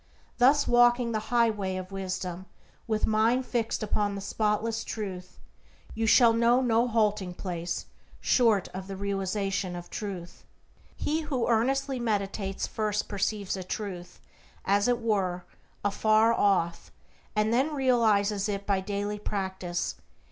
Thus walking the high way of wisdom, with mind fixed upon the spotless Truth, you shall know no halting place short of the realization of Truth. He who earnestly meditates first perceives a truth, as it were, afar off, and then realizes it by daily practice.